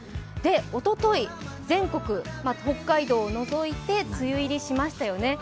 おととい、全国、北海道を除いて梅雨入りしましたよね。